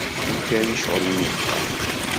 Tenker i ccɣel n wexxam.